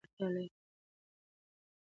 سیاسي اصلاحات زغم ته اړتیا لري